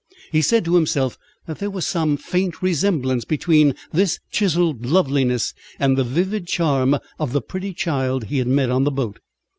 He said to himself that there was some faint resemblance between this chiselled loveliness and the vivid charm of the pretty child he had met on the boat.